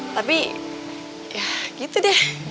tapi ya gitu deh